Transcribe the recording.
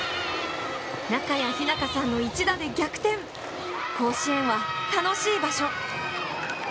中谷日菜香さんの一打で逆転、甲子園は楽しい場所。